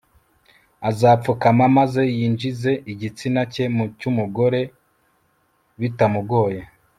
azapfukama maze yinjize igitsina cye mu cy'umugore bitamugoye